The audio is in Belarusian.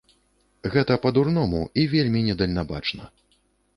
Гэта па-дурному і вельмі недальнабачна.